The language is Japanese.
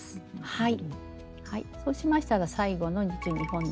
はい。